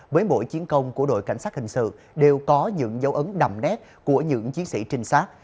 với mỗi chiến công của đội cảnh sát hình sự đều có những dấu ấn đậm nét của những chiến sĩ trinh sát